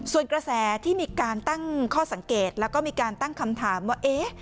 ส่วนกระแสที่มีการตั้งข้อสังเกตแล้วก็มีการตั้งคำถามว่าเอ๊ะ